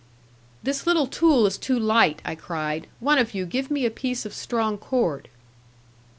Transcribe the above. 'This little tool is too light,' I cried; 'one of you give me a piece of strong cord.'